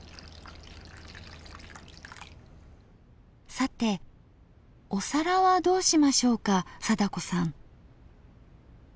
さてお皿はどうしましょうか貞子さん。